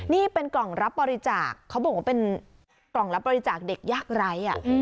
นี่เป็นกล่องรับบริจาคเขาบอกว่าเป็นกล่องรับบริจาคเด็กยากไร้